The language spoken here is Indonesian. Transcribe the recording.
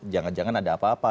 jangan jangan ada apa apa